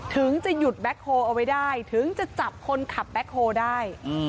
ถึงจะหยุดแบ็คโฮลเอาไว้ได้ถึงจะจับคนขับแบ็คโฮลได้